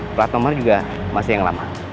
plat nomor juga masih yang lama